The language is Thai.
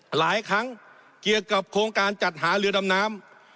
หลายครั้งเกี่ยวกับโครงการจัดหาเรือดำน้ำ